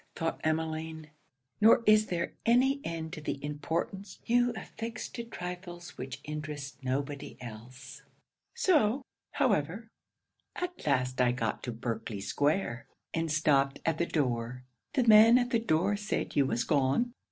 thought Emmeline, nor is there any end to the importance you affix to trifles which interest nobody else.] 'So, however, at last I got to Berkley square, and stopped at the door. The man at the door said you was gone.